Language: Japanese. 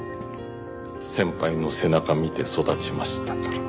先輩の背中見て育ちましたから。